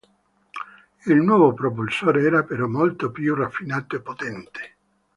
Il nuovo propulsore era però molto più raffinato e potente.